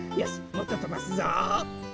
もっととばすぞ。